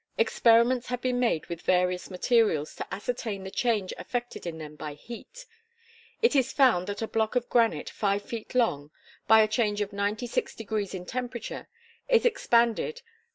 Experiments have been made with various materials to ascertain the change affected in them by heat. It is found that a block of granite five feet long, by a change of ninety six degrees in temperature, is expanded